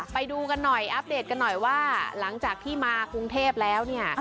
ไปดูกันหน่อยอัปเดตกันหน่อยว่าหลังจากที่มากรุงเทพแล้วเนี่ย